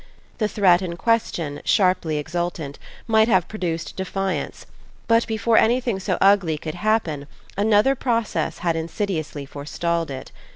The threat in question, sharply exultant, might have produced defiance; but before anything so ugly could happen another process had insidiously forestalled it.